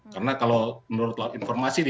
karena kalau menurut informasi